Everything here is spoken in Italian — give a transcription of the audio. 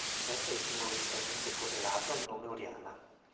È etimologicamente correlato al nome Oriana.